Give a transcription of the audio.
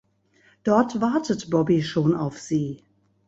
Dort wartet Bobby schon auf sie.